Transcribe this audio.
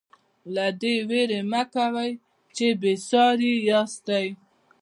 له دې وېرې مه کوئ چې بې ساري یاستئ.